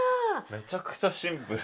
めちゃくちゃシンプル。